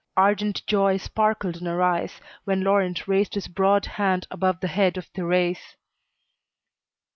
Ardent joy sparkled in her eyes, when Laurent raised his broad hand above the head of Thérèse.